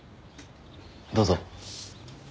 どうぞ。